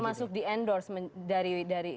termasuk di endorsement dari